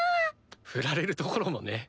フラれるところもね。